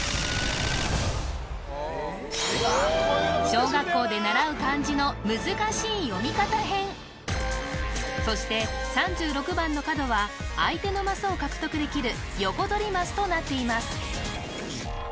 小学校で習う漢字の難しい読み方編そして３６番の角は相手のマスを獲得できるヨコドリマスとなっています